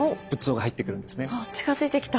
あ近づいてきた！